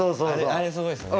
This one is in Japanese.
あれすごいっすよね。